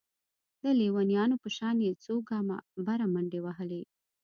د ليونيانو په شان يې څو ګامه بره منډې وهلې.